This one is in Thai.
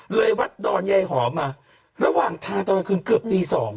เลยวัดดอนยายหอมมาระหว่างทางตอนกลางคืนเกือบตีสอง